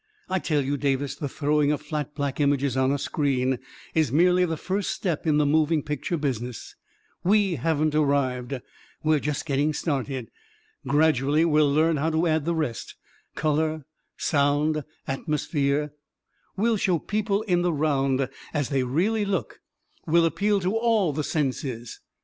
I tell you, Davis, the throwing of flat black images on a screen is merely the first step in the moving picture business — we haven't arrived — we're just getting started; gradually we will learn how to add the rest — color, sound, atmosphere — we'll show people in the round, as they really look — we'll appeal to all the senses